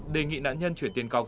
đề nghị nạn nhân chuyển tiền cọc